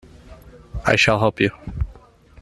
I shall help you.